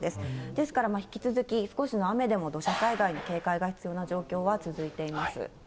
ですから引き続き、少しの雨でも土砂災害に警戒が必要な状況は続いています。